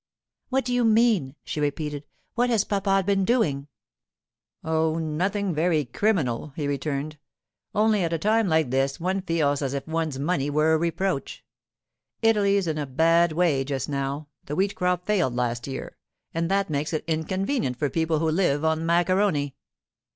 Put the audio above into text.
'What do you mean?' she repeated. 'What has papa been doing?' 'Oh, nothing very criminal,' he returned. 'Only at a time like this one feels as if one's money were a reproach. Italy's in a bad way just now; the wheat crop failed last year, and that makes it inconvenient for people who live on macaroni.